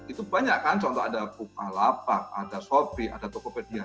itu banyak kan contoh ada bukalapak ada shopee ada tokopedia